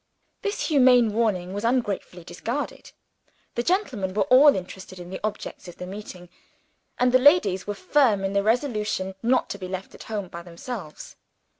This humane warning was ungratefully disregarded. The gentlemen were all interested in "the objects of the meeting"; and the ladies were firm in the resolution not to be left at home by themselves.